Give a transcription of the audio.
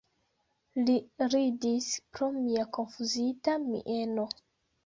Li ridis pro mia konfuzita mieno.